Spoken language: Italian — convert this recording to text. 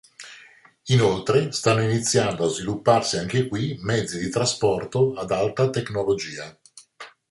Inoltre, stanno iniziando a svilupparsi anche qui mezzi di trasporto ad alta tecnologia.